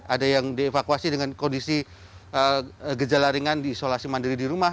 ada yang dievakuasi dengan kondisi gejala ringan di isolasi mandiri di rumah